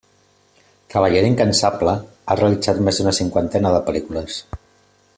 Treballador incansable, ha realitzat més d'una cinquantena de pel·lícules.